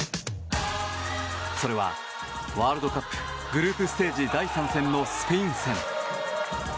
それは、ワールドカップグループステージ第３戦のスペイン戦。